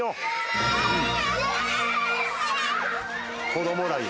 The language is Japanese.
子供らに。